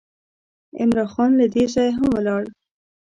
عمرا خان له دې ځایه هم ولاړ.